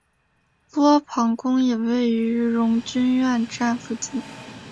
波旁宫也位于荣军院站附近。